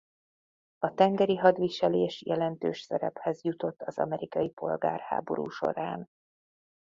A tengeri hadviselés jelentős szerephez jutott az amerikai polgárháború során.